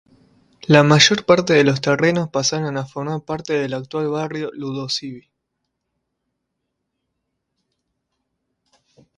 La mayor parte de los terrenos pasaron a formar parte del actual barrio Ludovisi.